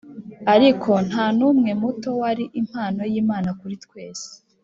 ariko ntanumwe-muto wari impano y’imana kuri twese.